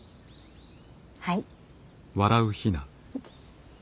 はい。